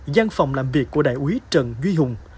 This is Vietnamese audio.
giang phòng làm việc của đại úy trần duy hùng